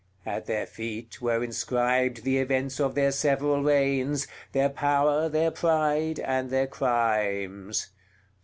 At their feet were inscribed the events of their several reigns, their power, their pride, and their crimes.